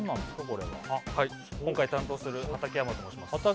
これは今回担当する畠山と申します